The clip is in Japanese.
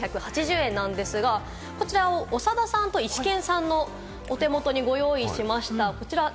こちら４４８０円なんですが、こちらを長田さんとイシケンさんのお手元にご用意いたしました。